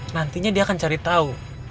nantinya dia akan cari tahu